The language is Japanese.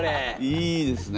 いいですね。